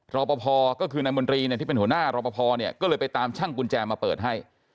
รพก็คือนายมนตรีที่เป็นหัวหน้ารพก็เลยไปตามช่างกุญแจมาเปิดให้